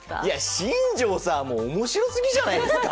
新庄さんは面白すぎじゃないですか。